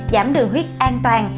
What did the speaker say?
giảm đường huyết an toàn